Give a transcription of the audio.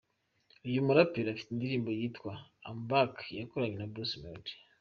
Uyu muraperi afite indirimbo yitwa “I am Back” yakoranye na Bruce Melodie.